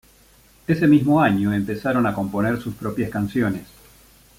Ese mismo año empezaron a componer sus propias canciones.